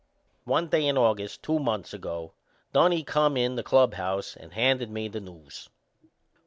One day in August, two months ago, Dunnie come in the club house and handed me the news.